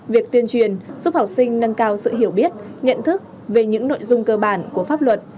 việc tuyên truyền giúp học sinh nâng cao sự hiểu biết nhận thức về những nội dung cơ bản của pháp luật